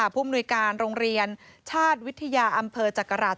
ผู้มนุยการโรงเรียนชาติวิทยาอำเภอจักราช